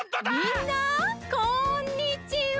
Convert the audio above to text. みんなこんにちは！